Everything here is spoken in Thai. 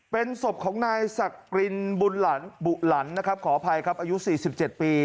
เป็นศพของนายศักรินบุหลันนะครับขออภัยครับอายุสี่สิบเจ็ดปี